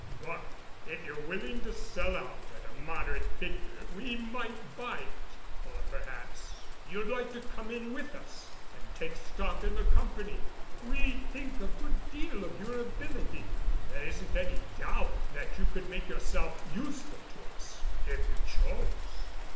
But, if you're willing to sell out at a moderate figure, we might buy it. Or, perhaps, you'd like to come in with us and take stock in the Company. We think a good deal of your ability. There isn't any doubt that you could make yourself useful to us if you chose."